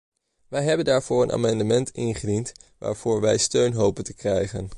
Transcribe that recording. Wij hebben daarvoor een amendement ingediend waarvoor wij steun hopen te krijgen.